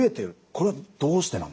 これはどうしてなんですか？